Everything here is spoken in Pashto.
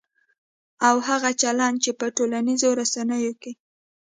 او هغه چلند چې په ټولنیزو رسنیو کې